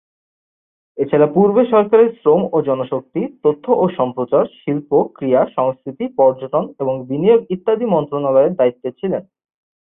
এছাড়া পূর্বে সরকারের শ্রম ও জনশক্তি, তথ্য ও সম্প্রচার, শিল্প, ক্রীড়া, সংস্কৃতি, পর্যটন এবং বিনিয়োগ ইত্যাদি মন্ত্রনালয়ের দায়িত্বে ছিলেন।